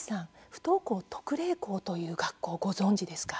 「不登校特例校」という学校、ご存じですか？